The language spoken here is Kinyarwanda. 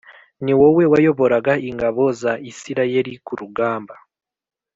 ni wowe wayoboraga ingabo za Isirayeli ku rugamba